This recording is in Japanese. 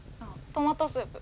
トマトスープ。